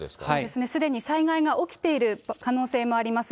すでに災害が起きている可能性もあります。